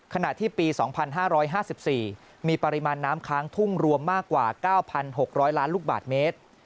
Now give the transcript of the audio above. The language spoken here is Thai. ขณะที่ปีสองพันห้าร้อยห้าสิบสี่มีปริมาณน้ำค้างทุ่งรวมมากกว่าเก้าพันหกร้อยล้านลูกบาทเมตร